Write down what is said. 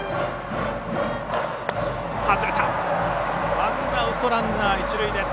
ワンアウトランナー、一塁です。